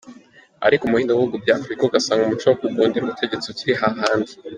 Ariko mu bindi bihugu bya Afurika ugasanga Umuco wo kugundira ubutegetsi ukiri hahandi.